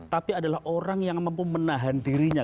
tapi adalah orang yang mampu menahan dirinya